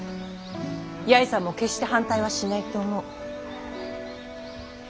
八重さんも決して反対はしないと思う。